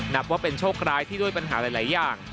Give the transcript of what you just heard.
นับว่าเป็นโชคร้ายที่ด้วยปัญหาหลายอย่าง